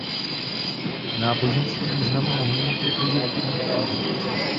Náboženský význam mohly mít i figurky býků.